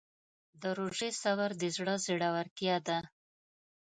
د روژې صبر د زړه زړورتیا ده.